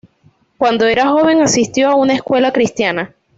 Cuando era joven asistió a una escuela cristiana.